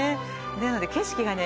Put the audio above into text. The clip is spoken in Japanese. なので景色がね